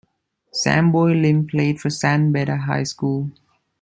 Samboy Lim played for San Beda High School.